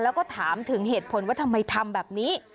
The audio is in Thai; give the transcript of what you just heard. แล้วก็ถามถึงเหตุผลว่าทำไมทำแบบนี้